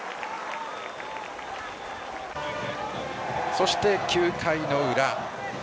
そして、９回の裏。